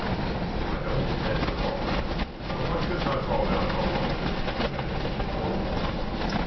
"I don't intend to fall down. But why shouldn't I fall down if I want to?" demanded Stacy.